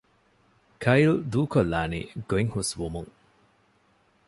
ކައިލް ދޫކޮށްލާނީ ގޮތް ހުސްވުމުން